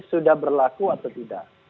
sudah berlaku atau tidak